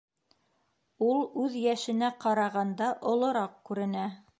Ул үҙ йәшенә ҡарағанда олораҡ күренә.